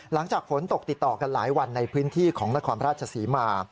หลังจากฝนตกติดต่อกันหลายวันในพื้นที่ของนครราชศรีมา